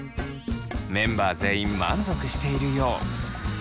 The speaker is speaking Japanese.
メンバー全員満足しているよう。